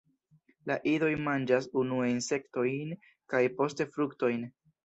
La idoj manĝas unue insektojn kaj poste fruktojn.